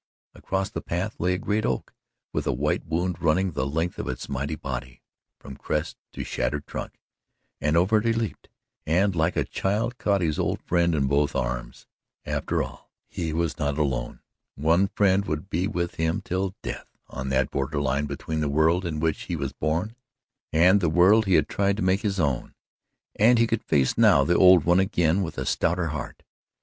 Across the path lay a great oak with a white wound running the length of its mighty body, from crest to shattered trunk, and over it he leaped, and like a child caught his old friend in both arms. After all, he was not alone. One friend would be with him till death, on that border line between the world in which he was born and the world he had tried to make his own, and he could face now the old one again with a stouter heart.